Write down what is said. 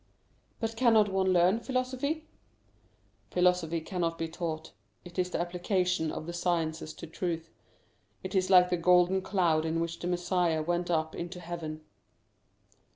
"But cannot one learn philosophy?" "Philosophy cannot be taught; it is the application of the sciences to truth; it is like the golden cloud in which the Messiah went up into heaven."